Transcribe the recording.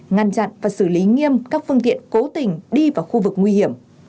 ngăn chặn và xử lý nghiêm các phương tiện cố tình đi vào khu vực nguy hiểm